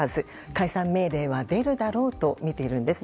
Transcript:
解散命令は出るだろうとみているんです。